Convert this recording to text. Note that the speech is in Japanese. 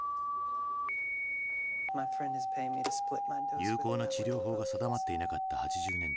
有効な治療法が定まっていなかった８０年代。